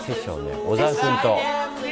小澤君と。